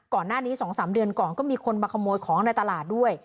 ก่อนหน้านี้๒๓เดือนก่อนก็มีคนมาขโมยของในตลาดด้วย